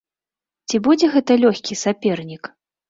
Ці будзе гэта лёгкі сапернік?